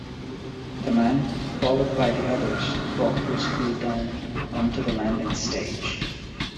The man, followed by the others, walked briskly down on to the landing-stage.